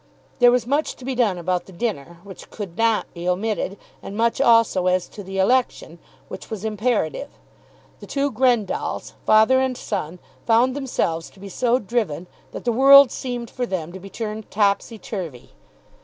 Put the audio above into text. There was much to be done about the dinner, which could not be omitted; and much also as to the election, which was imperative. The two Grendalls, father and son, found themselves to be so driven that the world seemed for them to be turned topsey turvey.